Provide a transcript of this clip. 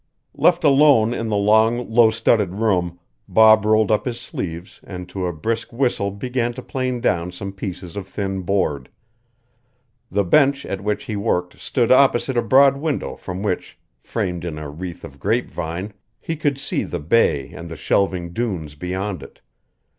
Left alone in the long, low studded room, Bob rolled up his sleeves and to a brisk whistle began to plane down some pieces of thin board. The bench at which he worked stood opposite a broad window from which, framed in a wreath of grapevine, he could see the bay and the shelving dunes beyond it.